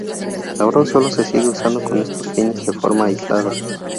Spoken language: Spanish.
Ahora sólo se sigue usando con estos fines de forma aislada.